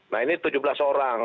nah ini tujuh belas orang